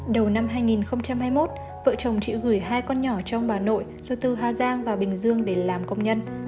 đầu năm hai nghìn hai mươi một vợ chồng chị gửi hai con nhỏ cho ông bà nội do tư hoa giang vào bình dương để làm công nhân